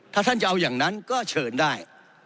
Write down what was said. ถ้าท่านจะเอาอย่างนั้นก็เชิญได้